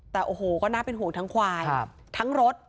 แต่โอ้โหก็น่าเป็นห่วงทั้งควายทั้งรถ